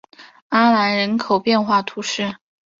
阿兰人口变化图示